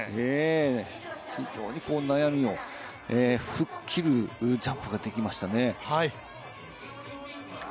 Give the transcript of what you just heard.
非常に悩みを吹っ切るジャンプができましたね。